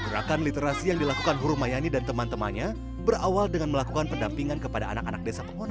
gerakan literasi yang dilakukan huru mayani dan teman temannya berawal dengan melakukan pendampingan kepada anak anak desa pengguna